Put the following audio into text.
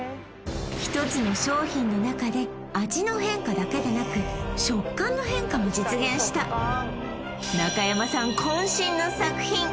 １つの商品の中で味の変化だけでなく食感の変化も実現した中山さん